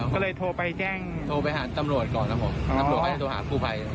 ก็เลยโทรไปแจ้งโทรไปหาตำรวจก่อนครับผมตำรวจก็จะโทรหากู้ภัย